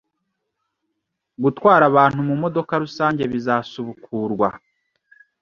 Gutwara abantu mu mudoka rusange bizasubukurwa